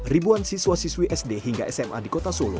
ribuan siswa siswi sd hingga sma di kota solo